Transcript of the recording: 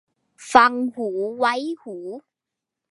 ฟังหูไว้หู